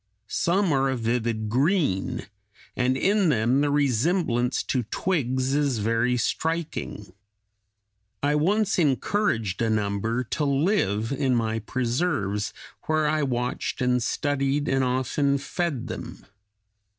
Some are a vivid green, and in them the resemblance to twigs is very striking. I once encouraged a number to live in my preserves, where I watched and studied and often fed them.